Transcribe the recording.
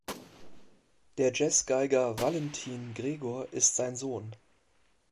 Der Jazz-Geiger Valentin Gregor ist sein Sohn.